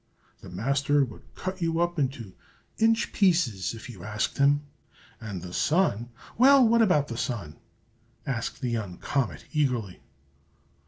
The Master would cut you up into inch pieces if you asked him, and the Sun " "Well, what about the Sun?" asked the young comet, eagerly.